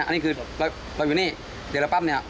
อันนี้คือเราอยู่นี่เดี๋ยวเราปั๊บเนี่ย